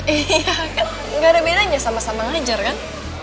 iya kan nggak ada bedanya sama sama ngajar kan